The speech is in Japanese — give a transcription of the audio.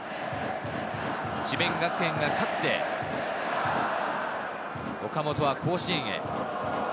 智辯学園が勝って、岡本は甲子園へ。